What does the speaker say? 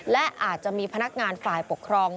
และอาจจะมีพนักงานฝ่ายปกครอง